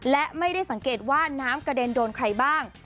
และไม่ได้สังเกตว่าน้ำกระเด็นโดนใครบ้าง